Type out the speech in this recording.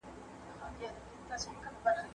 موږ به په دې وخت کي په کور کي یو.